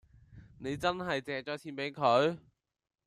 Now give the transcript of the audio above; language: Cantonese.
你真係借咗錢畀佢？